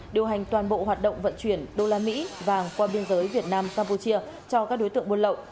điều hành toàn bộ hoạt động vận chuyển đô la mỹ vàng qua biên giới việt nam campuchia cho các đối tượng buôn lậu